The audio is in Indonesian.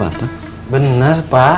gak ada apa apa pak